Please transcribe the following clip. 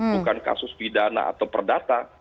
bukan kasus pidana atau perdata